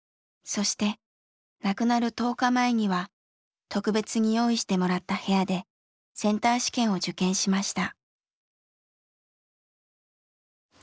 そして亡くなる１０日前には特別に用意してもらった部屋でセンター試験を受験しました。